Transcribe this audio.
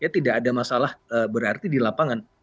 tidak ada masalah berarti di lapangan